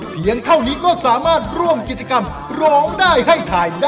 เพียงเท่านี้ก็สามารถร่วมกิจกรรมร้องได้ให้ถ่ายได้